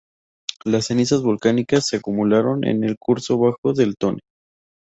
Las cenizas volcánicas se acumularon en el curso bajo del Tone.